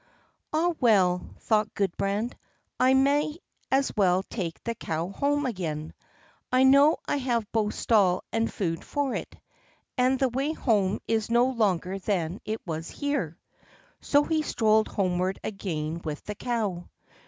"Ah, well!" thought Gudbrand, "I may as well take the cow home again. I know I have both stall and food for it, and the way home is no longer than it was here." So he strolled homeward again with the cow.